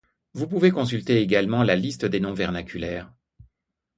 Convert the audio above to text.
Vous pouvez consulter également la liste des noms vernaculaires.